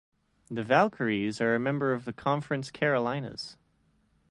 The Valkyries are a member of the Conference Carolinas.